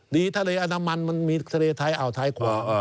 ดีทะเลอนามันมันมีทะเลไถอ่่าวไถกว่า